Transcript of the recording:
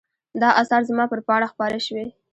دا آثار زما پر پاڼه خپاره شوي.